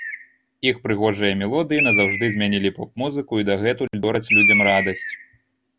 Іх прыгожыя мелодыі назаўжды змянілі поп-музыку, і дагэтуль дораць людзям радасць.